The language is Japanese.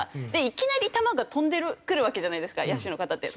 いきなり球が飛んでくるわけじゃないですか野手の方って。